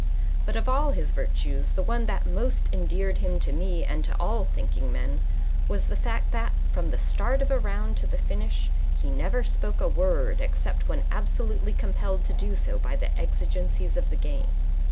But of all his virtues the one that most endeared him to me and to all thinking men was the fact that, from the start of a round to the finish, he never spoke a word except when absolutely compelled to do so by the exigencies of the game.